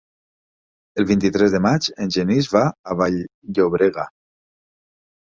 El vint-i-tres de maig en Genís va a Vall-llobrega.